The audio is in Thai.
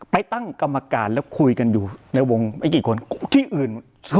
ไปตั้งกรรมการแล้วคุยกันอยู่ในวงไม่กี่คนที่อื่น